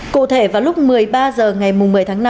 cụ thể vào lúc một mươi ba h ngày một mươi tháng năm